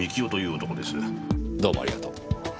どうもありがとう。